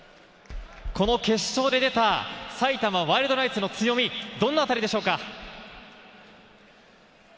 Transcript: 決勝で出た埼玉ワイルドナイツの強み、どのあたりでしょうか？